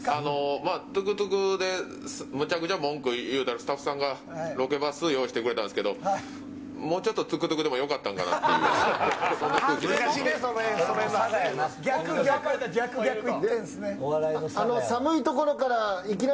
まあ、トゥクトゥクでむちゃくちゃ文句言うたらスタッフさんがロケバス用意してくれたんですけど、もうちょっとトゥクトゥクでもよかったんかなっていう、そんな空それ、さがやな。